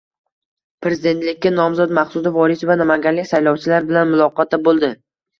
Prezidentlikka nomzod Maqsuda Vorisova namanganlik saylovchilar bilan muloqotda bo‘ldi